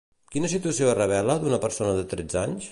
Quina situació es revela d'una persona de tretze anys?